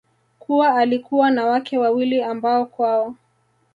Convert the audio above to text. kuwa alikuwa na wake wawili ambao kwao